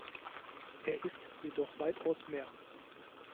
Er ist jedoch weitaus mehr.